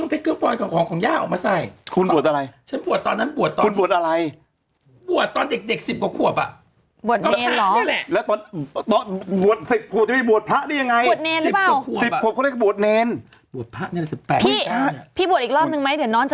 ไม่รู้ผมเคยเห็นแบบนี้เนี่ยในใส่อิ๋ว